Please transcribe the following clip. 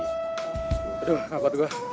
aduh kenapa tuh gue